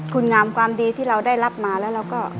คุณงามความดีที่เราได้รับมาแล้วเราก็